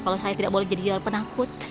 kalau saya tidak boleh jadi jual penakut